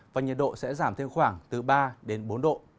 và nhiệt độ sẽ giảm thêm khoảng từ ba đến bốn độ